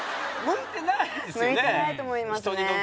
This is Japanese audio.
向いてないと思いますね。